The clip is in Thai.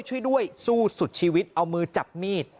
ช่วยด้วยสู้สุดชีวิตเอามือจับมีด